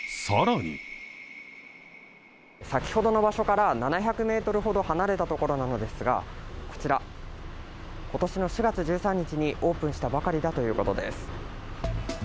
先ほどの場所から７００ｍほど離れたところなのですが、こちら、今年の４月１３日にオープンしたばかりだということです。